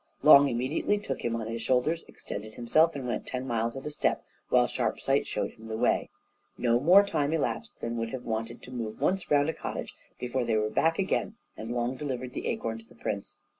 Long immediately took him on his shoulders, extended himself, and went ten miles at a step, while Sharpsight showed him the way. No more time elapsed than would have been wanted to move once round a cottage before they were back again, and Long delivered the acorn to the prince.